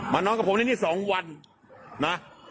มานอนกับผมในนี้๒วัน